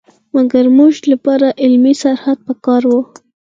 مګر زموږ لپاره علمي سرحد په کار وو.